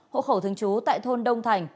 hộ khẩu thường trú tại thôn đông thành